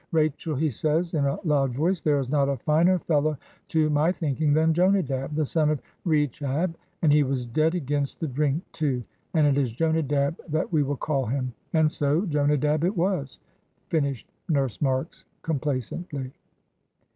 'Rachel,' he says, in a loud voice, 'there is not a finer fellow to my thinking than Jonadab, the son of Rechab, and he was dead against the drink, too, and it is Jonadab that we will call him;' and so Jonadab it was," finished Nurse Marks, complacently.